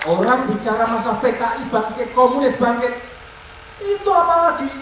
orang bicara masalah pki bangkit komunis bangkit itu apalagi